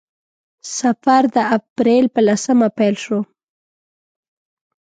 سفر د اپریل په لسمه پیل شو.